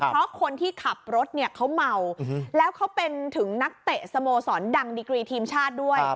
เพราะคนที่ขับรถเนี่ยเขาเมาแล้วเขาเป็นถึงนักเตะสโมสรดังดิกรีทีมชาติด้วย